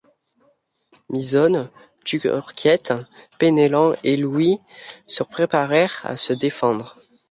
Misonne, Turquiette, Penellan et Louis se préparèrent à se défendre.